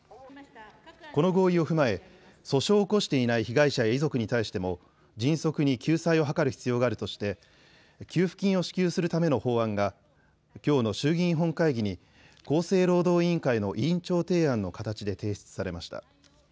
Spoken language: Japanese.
この合意を踏まえ訴訟を起こしていない被害者や遺族に対しても迅速に救済を図る必要があるとして給付金を支給するための法案がきょうの衆議院本会議に厚生労働委員会の委員長提案の形で提出されました。